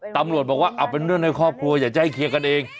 ตำรวจบอกว่าเอาเป็นเรื่องในครอบครัวอยากจะให้เคลียร์กันเอง